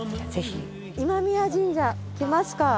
今宮神社行きますか。